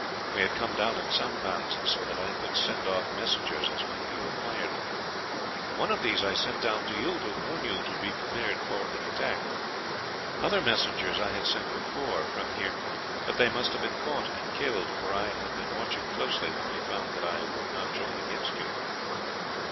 We had come down in sampans, so that I could send off messengers as might be required. One of these I sent down to you, to warn you to be prepared for an attack. Other messengers I had sent before from here; but they must have been caught and killed, for I had been watched closely when they found that I would not join against you.